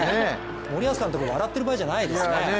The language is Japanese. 森保さんとか笑ってる場合じゃないですね。